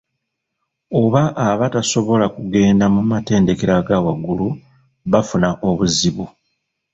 Oba abatasobola kugenda mu matendekero aga waggulu bafuna obuzibu.